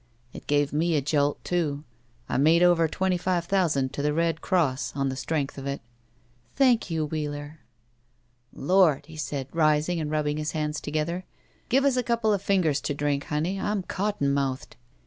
"It gave me a jolt, too. I made over twenty five thousand to the Red Cross on the strength of it." "Thank you, Wheeler." "Lord!" he said, rising and rubbing his hands together. "Give us a couple of fingers to drink, honey; I'm cotton mouthed."